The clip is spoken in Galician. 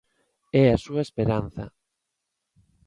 É a súa esperanza.